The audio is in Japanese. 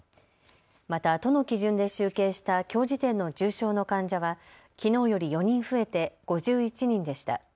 また都の基準で集計したきょう時点の重症の患者はきのうより４人増えて５１人でした。